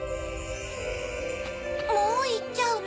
もういっちゃうの？